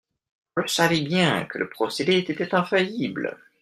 Je savais bien que le procédé était infaillible.